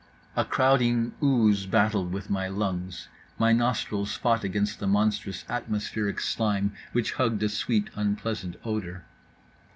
A crowding ooze battled with my lungs. My nostrils fought against the monstrous atmospheric slime which hugged a sweet unpleasant odour.